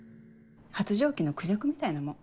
発情期のクジャクみたいなもん。